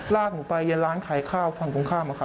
ลากหนูไปร้านขายข้าวฝั่งตรงข้ามอะค่ะ